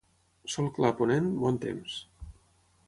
Sol clar a ponent, bon temps.